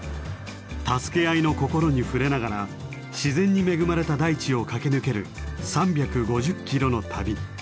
助け合いの心に触れながら自然に恵まれた大地を駆け抜ける３５０キロの旅。